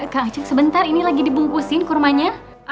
kang aceh sebentar ini lagi dibungkusin kurmanya